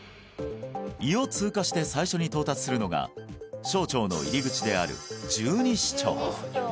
胃を通過して最初に到達するのが小腸の入り口である十二指腸